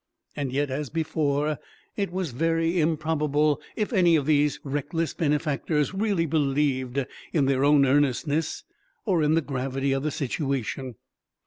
And yet, as before, it was very improbable if any of these reckless benefactors really believed in their own earnestness or in the gravity of the situation.